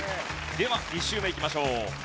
では２周目いきましょう。